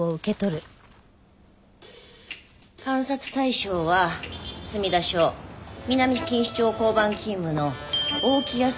監察対象は墨田署南錦糸町交番勤務の大木康晴巡査部長。